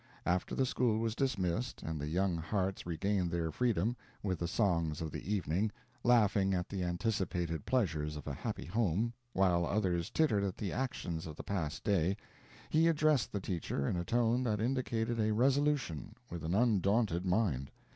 After the school was dismissed, and the young hearts regained their freedom, with the songs of the evening, laughing at the anticipated pleasures of a happy home, while others tittered at the actions of the past day, he addressed the teacher in a tone that indicated a resolution with an undaunted mind.